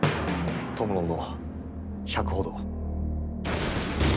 供の者は１００ほど。